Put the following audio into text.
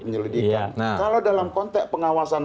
penyelidikan kalau dalam konteks pengawasan